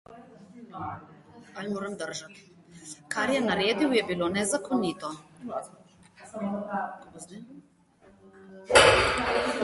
Kar je naredil, je bilo nezakonito.